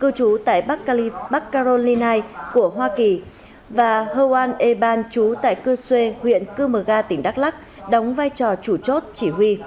cư trú tại bắc carolina của hoa kỳ và hoan eban trú tại cư xê huyện cư mờ ga tỉnh đắk lắc đóng vai trò chủ chốt chỉ huy